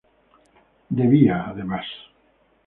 Debía, además.